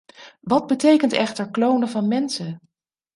Wat betekent echter klonen van mensen?